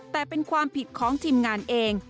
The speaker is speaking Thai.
แต่เป็นความผิดของทีมงานเอง